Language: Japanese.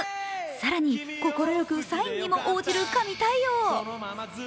更に快くサインにも応じる神対応。